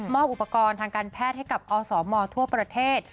อุปกรณ์ทางการแพทย์ให้กับอสมทั่วประเทศ